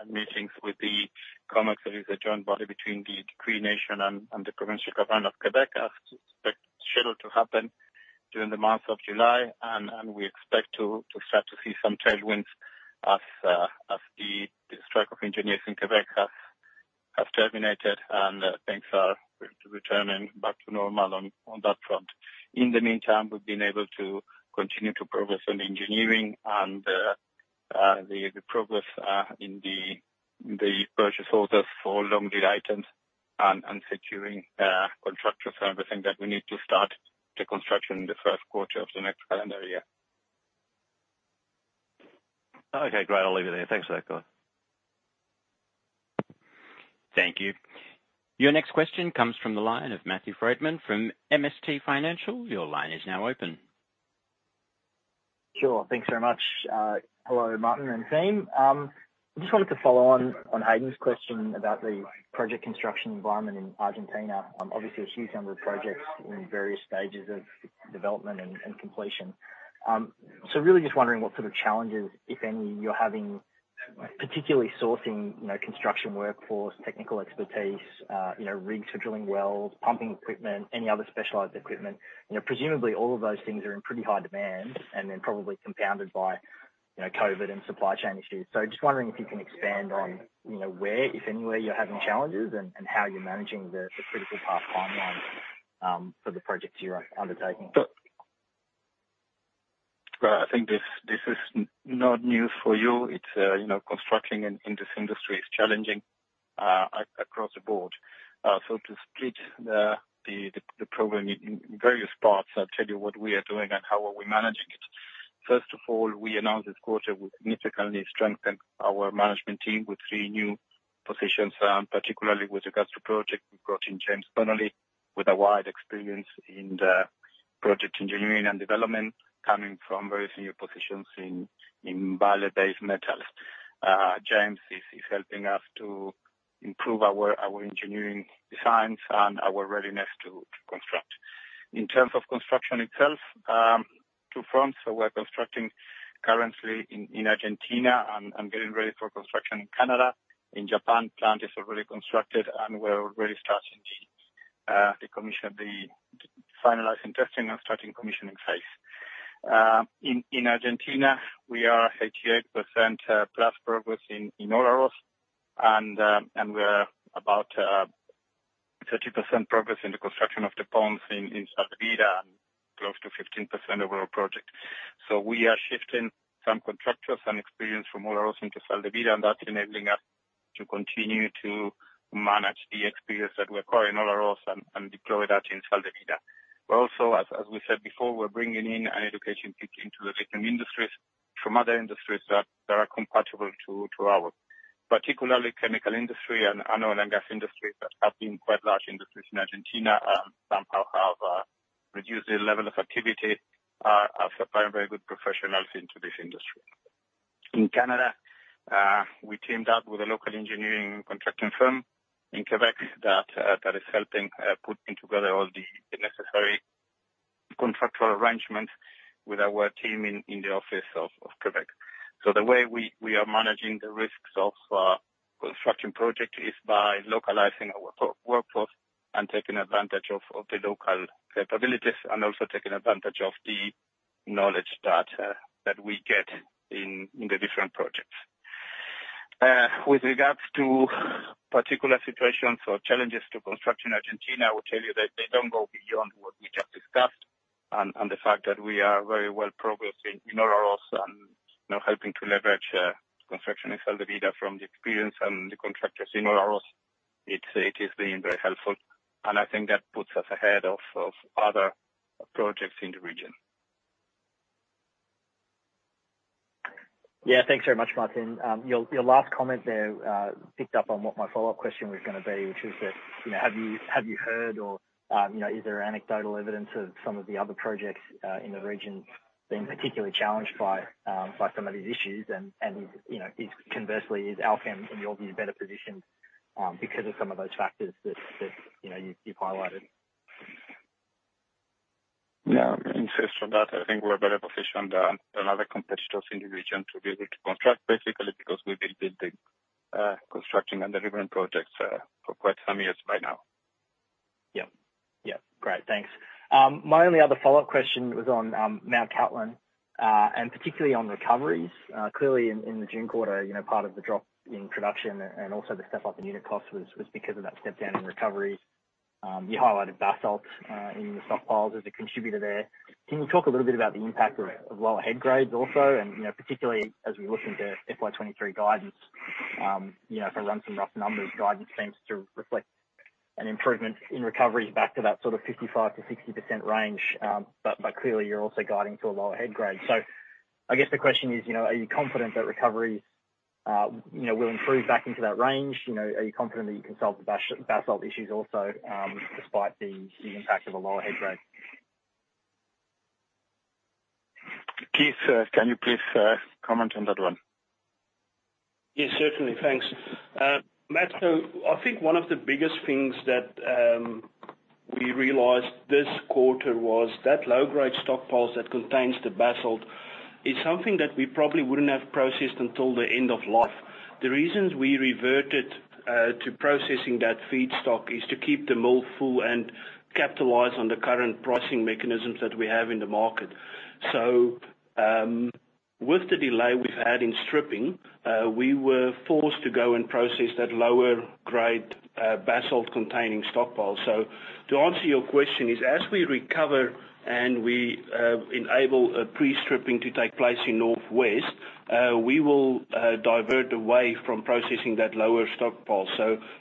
meetings with the COMEX is a joint body between the Cree Nation and the provincial government of Quebec are scheduled to happen during the month of July and we expect to start to see some tailwinds as the strike of engineers in Quebec has terminated and things are returning back to normal on that front. In the meantime, we've been able to continue to progress on engineering and the progress in the purchase orders for long lead items and securing contractors for everything that we need to start the construction in the first quarter of the next calendar year. Okay, great. I'll leave it there. Thanks for that, guys. Thank you. Your next question comes from the line of Matthew Frydman from MST Financial. Your line is now open. Sure. Thanks very much. Hello, Martín and team. Just wanted to follow on Hayden's question about the project construction environment in Argentina. Obviously a huge number of projects in various stages of development and completion. Really just wondering what sort of challenges, if any, you're having, particularly sourcing, you know, construction workforce, technical expertise, you know, rigs for drilling wells, pumping equipment, any other specialized equipment. You know, presumably all of those things are in pretty high demand and then probably compounded by, you know, COVID and supply chain issues. Just wondering if you can expand on, you know, where, if anywhere you're having challenges and how you're managing the critical path timelines for the projects you're undertaking. Well, I think this is not new for you. It's you know, constructing in this industry is challenging across the board. To split the program in various parts, I'll tell you what we are doing and how we are managing it. First of all, we announced this quarter, we significantly strengthened our management team with three new positions, particularly with regards to project we've got in James Connolly with a wide experience in the project engineering and development coming from very senior positions in Vale Base Metals. James is helping us to improve our engineering designs and our readiness to construct. In terms of construction itself, two fronts. We're constructing currently in Argentina and getting ready for construction in Canada. In Japan, plant is already constructed, and we're already starting the commissioning, finalizing testing and starting commissioning phase. In Argentina, we are 88%+ progress in Olaroz and we're about 30% progress in the construction of the ponds in Sal de Vida and close to 15% overall project. We are shifting some contractors and experience from Olaroz into Sal de Vida, and that's enabling us to continue to manage the experience that we acquire in Olaroz and deploy that in Sal de Vida. Also, as we said before, we're bringing in an injection into the lithium industries from other industries that are compatible to ours. Particularly, the chemical industry and oil and gas industries that have been quite large industries in Argentina somehow have reduced their level of activity and are supplying very good professionals into this industry. In Canada, we teamed up with a local engineering contracting firm in Quebec that is helping putting together all the necessary contractual arrangements with our team in the office of Quebec. The way we are managing the risks of construction project is by localizing our workforce and taking advantage of the local capabilities and also taking advantage of the knowledge that we get in the different projects. With regards to particular situations or challenges to construction in Argentina, I will tell you that they don't go beyond what we just discussed and the fact that we are very well progressed in Olaroz and, you know, helping to leverage construction in Sal de Vida from the experience and the contractors in Olaroz, it is being very helpful. I think that puts us ahead of other projects in the region. Yeah. Thanks very much, Martín. Your last comment there picked up on what my follow-up question was gonna be, which is that, you know, have you heard or, you know, is there anecdotal evidence of some of the other projects in the region being particularly challenged by some of these issues? And, you know, is conversely Allkem in your view better positioned because of some of those factors that, you know, you've highlighted? Yeah. In addition to that, I think we're better positioned than other competitors in the region to be able to construct basically because we've been building, constructing and delivering projects for quite some years by now. Yeah. Yeah. Great. Thanks. My only other follow-up question was on Mount Cattlin and particularly on recoveries. Clearly in the June quarter, you know, part of the drop in production and also the step up in unit costs was because of that step down in recovery. You highlighted basalt in the stockpiles as a contributor there. Can you talk a little bit about the impact of lower head grades also, and, you know, particularly as we look into FY 2023 guidance, you know, if I run some rough numbers, guidance seems to reflect an improvement in recoveries back to that sort of 55%-60% range. But clearly you're also guiding to a lower head grade. I guess the question is, you know, are you confident that recovery, you know, will improve back into that range? You know, are you confident that you can solve the basalt issues also, despite the impact of a lower head grade? Keith, can you please comment on that one? Yes, certainly. Thanks. Matt, I think one of the biggest things that we realized this quarter was that low-grade stockpiles that contains the basalt is something that we probably wouldn't have processed until the end of life. The reasons we reverted to processing that feedstock is to keep the mill full and capitalize on the current pricing mechanisms that we have in the market. With the delay we've had in stripping, we were forced to go and process that lower grade basalt containing stockpile. To answer your question is, as we recover and we enable a pre-stripping to take place in Northwest, we will divert away from processing that lower stockpile.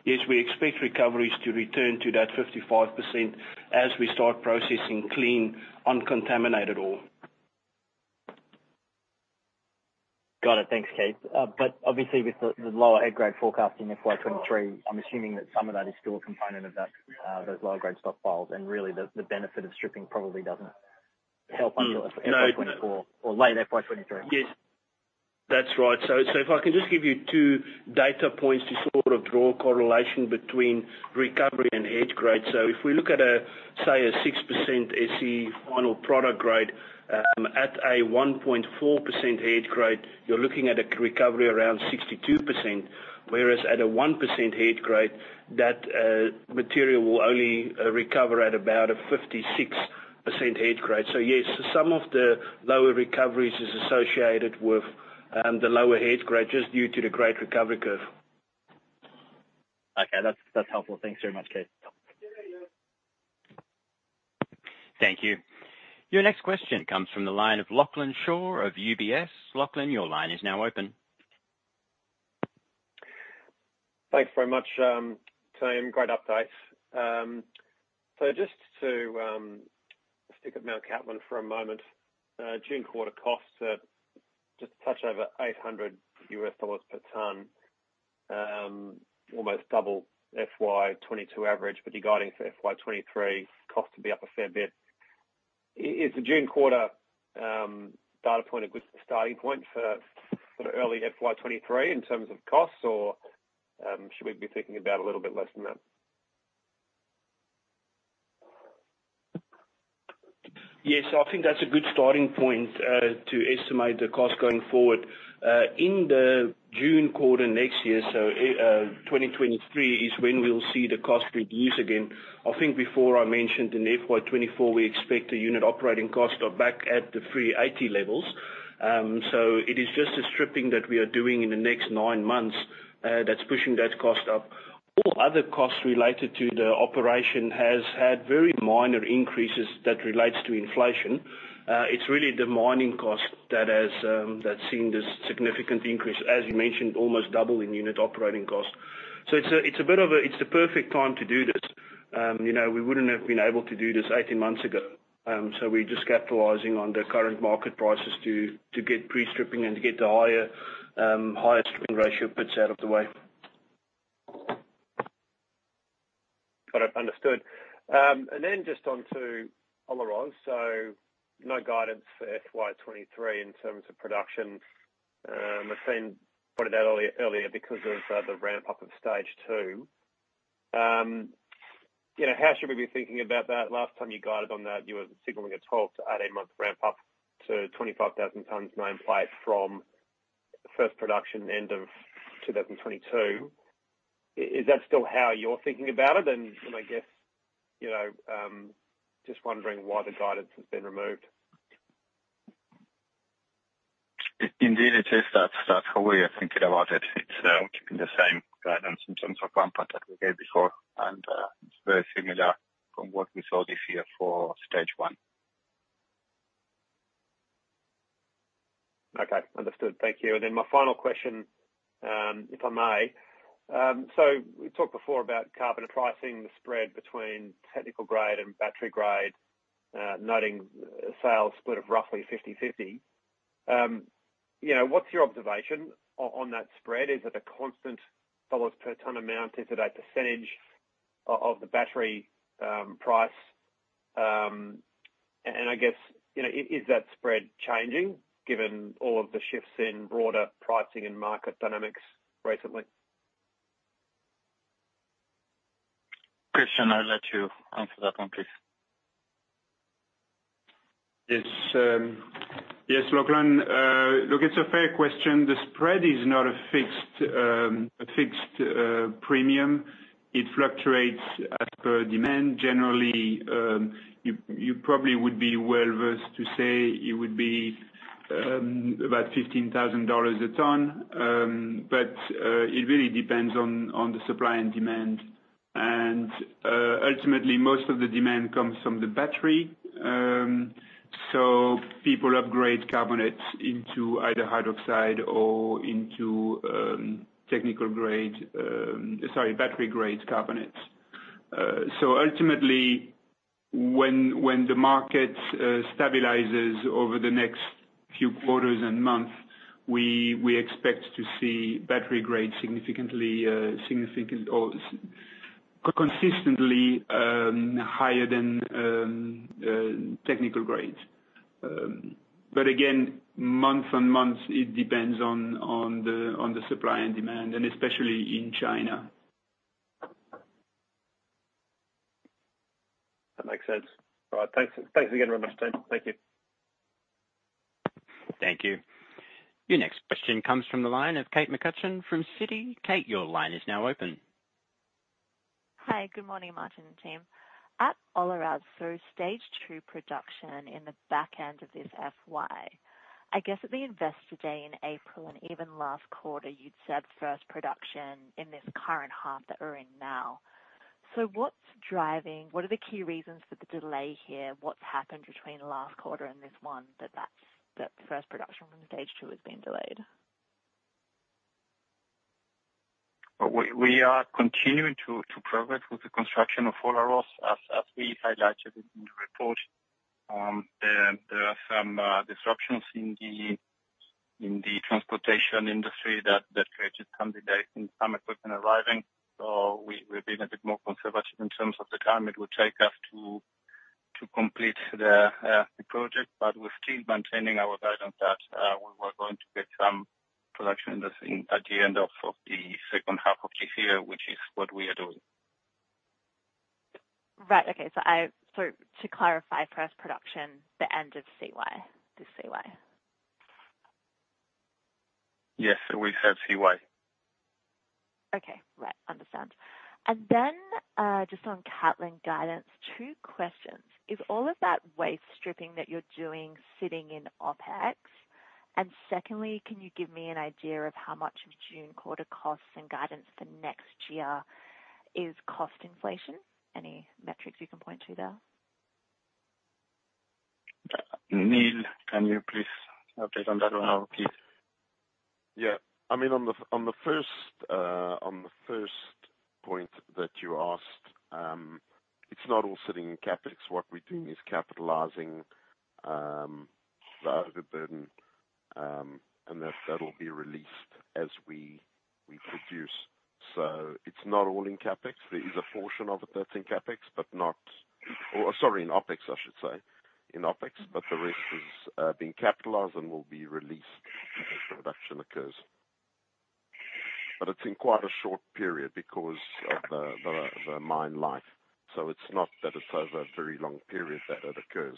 Yes, we expect recoveries to return to that 55% as we start processing clean, uncontaminated ore. Got it. Thanks, Keith. Obviously with the lower head grade forecast in FY 2023, I'm assuming that some of that is still a component of that, those lower grade stockpiles, and really the benefit of stripping probably doesn't help- No.... ntil FY 2024 or late FY 2023. Yes. That's right. If I can just give you two data points to sort of draw a correlation between recovery and head grade. If we look at, say, a 6% SC final product grade, at a 1.4% head grade, you're looking at a recovery around 62%, whereas at a 1% head grade, that material will only recover at about a 56% recovery. Yes, some of the lower recoveries is associated with the lower head grade, just due to the grade recovery curve. Okay. That's helpful. Thanks very much, Keith. Thank you. Your next question comes from the line of Lachlan Shaw of UBS. Lachlan, your line is now open. Thanks very much, team. Great updates. Just to stick with Mount Cattlin for a moment. June quarter costs are just touch over $800 per ton, almost double FY 2022 average, but you're guiding for FY 2023 costs to be up a fair bit. Is the June quarter data point a good starting point for sort of early FY 2023 in terms of costs, or should we be thinking about a little bit less than that? Yes, I think that's a good starting point to estimate the cost going forward. In the June quarter next year, 2023 is when we'll see the cost reduce again. I think before I mentioned in FY 2024, we expect the unit operating costs are back at the free-80 levels. It is just the stripping that we are doing in the next nine months, that's pushing that cost up. All other costs related to the operation has had very minor increases that relates to inflation. It's really the mining cost that's seen this significant increase, as you mentioned, almost double in unit operating cost. It's a bit of a, it's the perfect time to do this. You know, we wouldn't have been able to do this 18 months ago. We're just capitalizing on the current market prices to get pre-stripping and to get the higher stripping ratio pits out of the way. Got it. Understood. Just onto Olaroz. No guidance for FY 2023 in terms of production, I think pointed out earlier because of the ramp-up of stage 2. You know, how should we be thinking about that? Last time you guided on that, you were signaling a 12-18 month ramp-up to 25,000 tons nameplate from first production end of 2022. Is that still how you're thinking about it? I guess, you know, just wondering why the guidance has been removed. Indeed, it is. That's how we are thinking about it. It's keeping the same guidance in terms of ramp up that we gave before, and it's very similar from what we saw this year for stage 1. Okay. Understood. Thank you. My final question, if I may. We talked before about carbon pricing, the spread between technical grade and battery grade, noting sales split of roughly 50/50. You know, what's your observation on that spread? Is it a constant dollars per ton amount? Is it a percentage of the battery price? I guess, you know, is that spread changing given all of the shifts in broader pricing and market dynamics recently? Christian, I'll let you answer that one, please. Yes. Yes, Lachlan. Look, it's a fair question. The spread is not a fixed premium. It fluctuates as per demand. Generally, you probably would be well versed to say it would be about $15,000 a ton. But it really depends on the supply and demand. Ultimately, most of the demand comes from the battery. So people upgrade carbonates into either hydroxide or into battery grade carbonates. Ultimately, when the market stabilizes over the next few quarters and months, we expect to see battery grade significantly or consistently higher than technical grade. Again, month-on-month, it depends on the supply and demand, and especially in China. That makes sense. All right. Thanks, thanks again very much, team. Thank you. Thank you. Your next question comes from the line of Kate McCutcheon from Citi. Kate, your line is now open. Hi, good morning, Martín and team. At Olaroz, stage 2 production in the back end of this FY. I guess at the Investor Day in April and even last quarter you'd said first production in this current half that we're in now. What are the key reasons for the delay here? What's happened between the last quarter and this one that first production from stage 2 has been delayed? We are continuing to progress with the construction of Olaroz. As we highlighted in the report, there are some disruptions in the transportation industry that created some delay in some equipment arriving. We're being a bit more conservative in terms of the time it will take us to complete the project, but we're still maintaining our guidance that we were going to get some production in the thing at the end of the second half of this year, which is what we are doing. Right. Okay. To clarify, first production, the end of CY to CY. Yes, we said CY. Okay. Right. Understand. Just on Cattlin guidance, two questions. Is all of that waste stripping that you're doing sitting in OpEx? And secondly, can you give me an idea of how much of June quarter costs and guidance for next year is cost inflation? Any metrics you can point to there? Neil, can you please update on that one? Yeah. I mean, on the first point that you asked, it's not all sitting in CapEx. What we're doing is capitalizing the boron, and that'll be released as we produce. It's not all in CapEx. There is a portion of it that's in OpEx, I should say. But the rest is being capitalized and will be released as production occurs. It's in quite a short period because of the mine life. It's not that it's over a very long period that it occurs.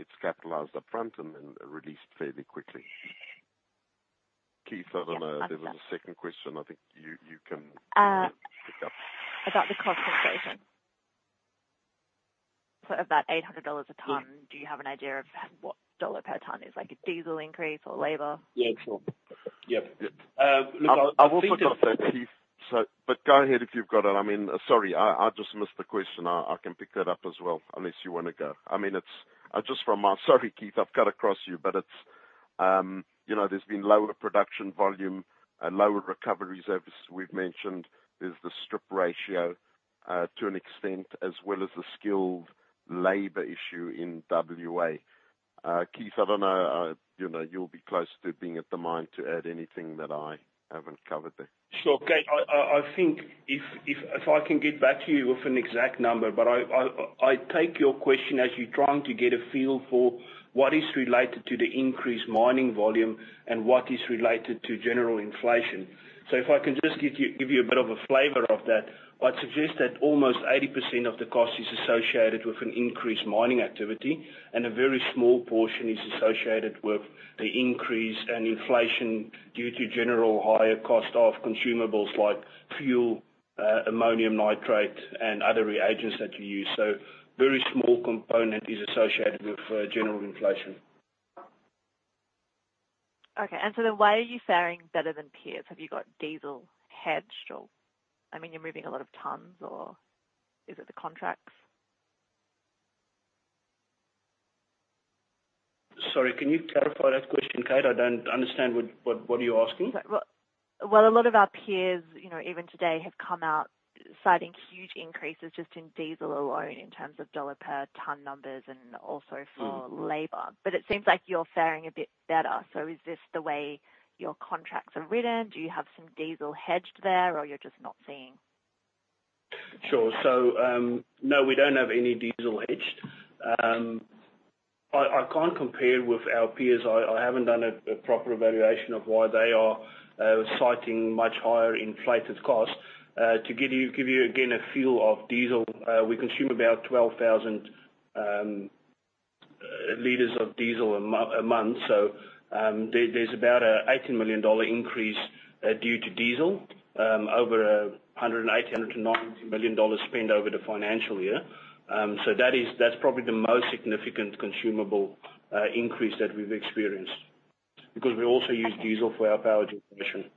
It's capitalized upfront and then released fairly quickly. Keith, I don't know. There was a second question. I think you can pick up. About the cost inflation. Of that $800 a ton- Yeah. Do you have an idea of what dollar per ton is, like a diesel increase or labor? Yeah, sure. Yep. Look, I will pick up that, Keith. Go ahead if you've got it. I mean, sorry, I just missed the question. I can pick that up as well, unless you wanna go. I mean, Sorry, Keith, I've cut across you, but it's, you know, there's been lower production volume and lower recovery services we've mentioned. There's the strip ratio, to an extent, as well as the skilled labor issue in WA. Keith, I don't know, you know, you'll be close to being at the mine to add anything that I haven't covered there. Sure. Kate, I think if I can get back to you with an exact number, but I take your question as you're trying to get a feel for what is related to the increased mining volume and what is related to general inflation. If I can just give you a bit of a flavor of that. I'd suggest that almost 80% of the cost is associated with an increased mining activity, and a very small portion is associated with the increase and inflation due to general higher cost of consumables like fuel, ammonium nitrate, and other reagents that you use. Very small component is associated with general inflation. Okay. Why are you faring better than peers? Have you got diesel hedged or, I mean, you're moving a lot of tons or is it the contracts? Sorry, can you clarify that question, Kate? I don't understand what you're asking. Well, a lot of our peers, you know, even today, have come out citing huge increases just in diesel alone in terms of dollar-per-ton numbers and also for labor. It seems like you're faring a bit better. Is this the way your contracts are written? Do you have some diesel hedged there or you're just not seeing? Sure. No, we don't have any diesel hedged. I can't compare with our peers. I haven't done a proper evaluation of why they are citing much higher inflated costs. To give you again a feel of diesel, we consume about 12,000 liters of diesel a month. There's about an AUD 80 million increase due to diesel over AUD 180 million-AUD 190 million spend over the financial year. That's probably the most significant consumable increase that we've experienced because we also use diesel for our power generation.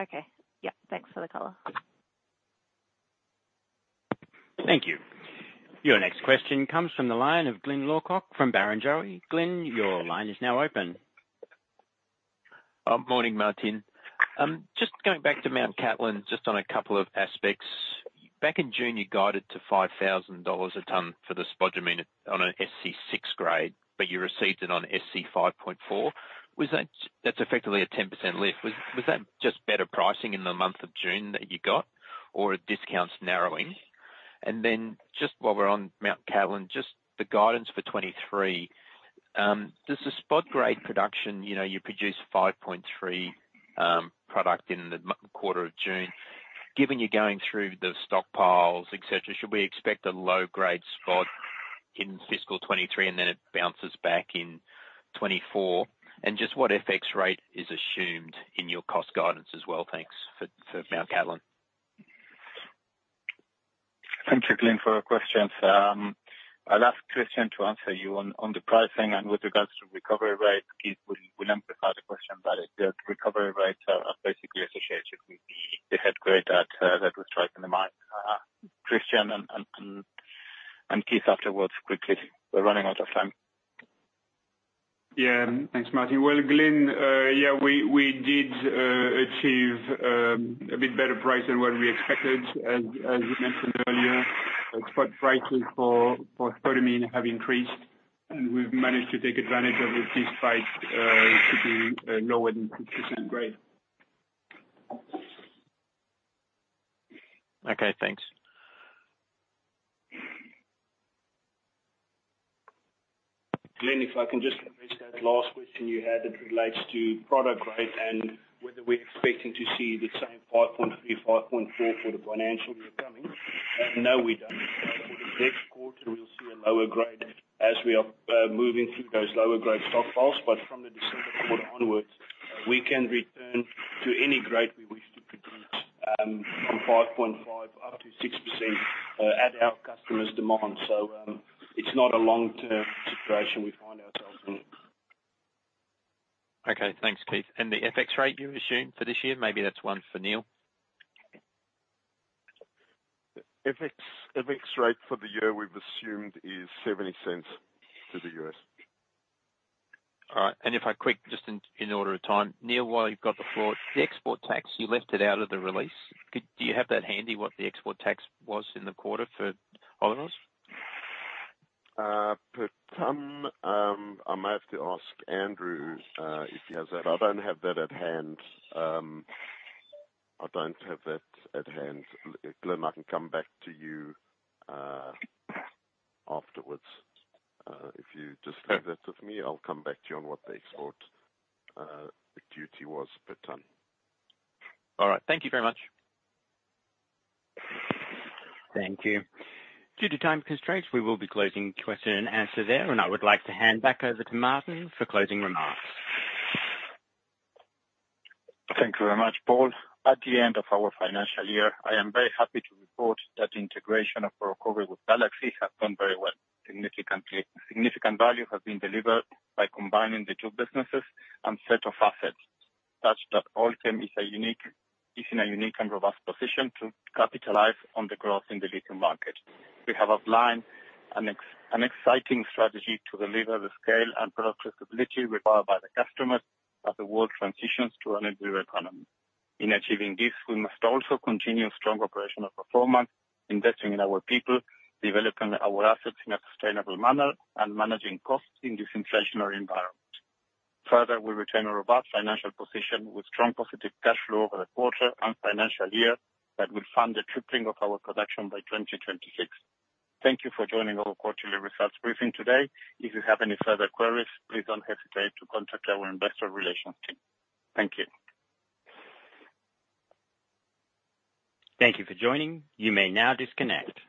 Okay. Yeah, thanks for the color. Thank you. Your next question comes from the line of Glyn Lawcock from Barrenjoey. Glyn, your line is now open. Morning, Martín. Just going back to Mount Cattlin, just on a couple of aspects. Back in June, you guided to $5,000 a ton for the spodumene on an SC6 grade, but you received it on SC5.4. That's effectively a 10% lift. Was that just better pricing in the month of June that you got or are discounts narrowing? Then just while we're on Mount Cattlin, just the guidance for 2023, does the spod grade production, you know, you produced SC5.3 product in the June quarter. Given you're going through the stockpiles, et cetera, should we expect a low grade spod in fiscal 2023 and then it bounces back in 2024? And just what FX rate is assumed in your cost guidance as well? Thanks. For Mount Cattlin. Thank you, Glyn, for your questions. I'll ask Christian to answer you on the pricing. With regards to recovery rate, Keith will amplify the question, but the recovery rates are basically associated with the head grade that we strike in the mine. Christian and Keith afterwards, quickly. We're running out of time. Yeah. Thanks, Martín. Well, Glyn, yeah, we did achieve a bit better price than what we expected. As you mentioned earlier, spot prices for spodumene have increased, and we've managed to take advantage of it despite it being a lower than 6% grade. Okay, thanks. Glyn, if I can just address that last question you had that relates to product grade and whether we're expecting to see the same SC5.3, SC5.4 for the financial year coming. No, we don't. For the next quarter, we'll see a lower grade as we are moving through those lower grade stockpiles. From the December quarter onwards, we can return to any grade we wish to produce from SC5.5 up to 6% at our customers' demand. It's not a long-term situation we find ourselves in. Okay, thanks, Keith. The FX rate you assumed for this year, maybe that's one for Neil. FX rate for the year we've assumed is $0.70 to the U.S. All right. If I could just, in order of time. Neil, while you've got the floor, the export tax, you left it out of the release. Do you have that handy, what the export tax was in the quarter for Olaroz? Per ton, I might have to ask Andrew if he has that. I don't have that at hand. Glyn, I can come back to you afterwards. If you just leave that with me, I'll come back to you on what the export duty was per ton. All right. Thank you very much. Thank you. Due to time constraints, we will be closing question and answer there, and I would like to hand back over to Martín for closing remarks. Thank you very much, Paul. At the end of our financial year, I am very happy to report that the integration of Orocobre with Galaxy has done very well. Significant value has been delivered by combining the two businesses and set of assets, such that Allkem is in a unique and robust position to capitalize on the growth in the lithium market. We have outlined an exciting strategy to deliver the scale and product flexibility required by the customers as the world transitions to an electric economy. In achieving this, we must also continue strong operational performance, investing in our people, developing our assets in a sustainable manner, and managing costs in this inflationary environment. Further, we retain a robust financial position with strong positive cash flow over the quarter and financial year that will fund the tripling of our production by 2026. Thank you for joining our quarterly results briefing today. If you have any further queries, please don't hesitate to contact our investor relations team. Thank you. Thank you for joining. You may now disconnect.